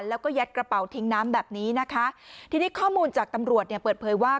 แล้วก็ยัดกระเป๋าทิ้งน้ำแบบนี้นะคะทีนี้ข้อมูลจากตำรวจเนี่ยเปิดเผยว่า